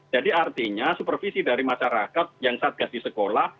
jadi artinya supervisi dari masyarakat yang sasgas di sekolah